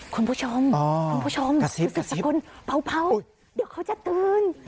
คุณผู้ชมไอ้ผู้ชมเดี๋ยวเขาจะตื่น